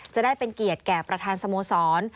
จะได้เป็นเกียรติแก่ประธานสโมสร